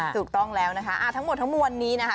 ถูกต้องแล้วนะคะทั้งหมดทั้งมวลนี้นะคะ